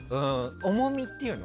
重みっていうの？